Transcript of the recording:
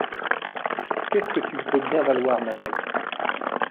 Qu’est-ce que tu peux bien valoir, ma belle ?